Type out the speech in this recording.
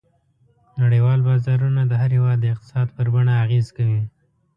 نړیوال بازارونه د هر هېواد د اقتصاد پر بڼه اغېزه کوي.